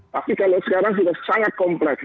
tapi kalau sekarang sudah sangat kompleks